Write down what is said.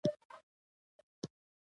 دغو ډولونه په مخصوصو سیمو کې شتون درلود.